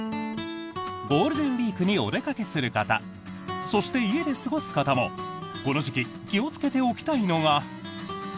ゴールデンウィークにお出かけする方そして、家で過ごす方もこの時期気をつけておきたいのが。